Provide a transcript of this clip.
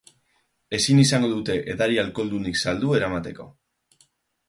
Ezin izango dute edari alkoholdunik saldu eramateko.